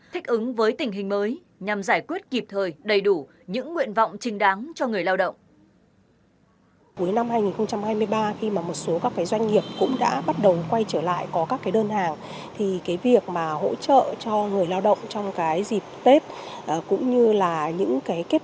thích ứng với tình hình mới nhằm giải quyết kịp thời đầy đủ những nguyện vọng trình đáng cho người lao động